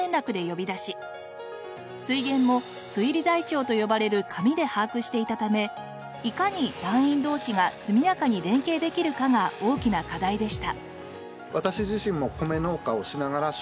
水源も水利台帳と呼ばれる紙で把握していたためいかに団員同士が速やかに連携できるかが大きな課題でした。